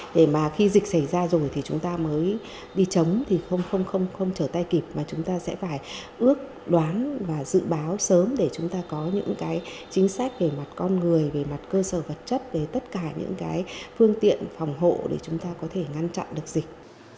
để mà khi dịch xảy ra rồi thì chúng ta mới đi chống thì không chờ tay kịp mà chúng ta sẽ phải ước đoán và dự báo sớm để chúng ta có những cái chính sách về mặt con người về mặt cơ sở vật chất về tất cả những cái phương tiện phòng hộ để chúng ta có thể ngăn chặn được dịch